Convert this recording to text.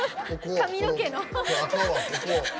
髪の毛の。